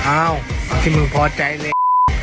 อ้าวที่มึงพอใจเลย